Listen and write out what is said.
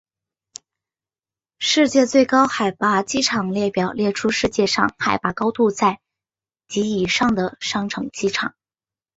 世界最高海拔机场列表列出世界上海拔高度在及以上的商业机场。